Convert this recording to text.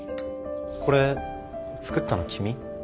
これ作ったの君？